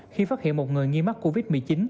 khi phát hiện một người nghi mắc covid một mươi chín